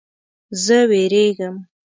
زه ویریږم